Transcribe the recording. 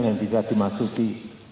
yang bisa dimasuki